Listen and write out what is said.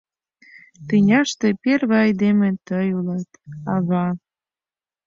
Тӱняште первый Айдеме тый улат, Ава!